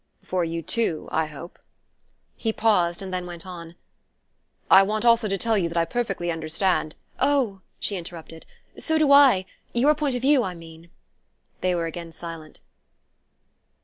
"For you too, I hope." He paused, and then went on: "I want also to tell you that I perfectly understand " "Oh," she interrupted, "so do I; your point of view, I mean." They were again silent.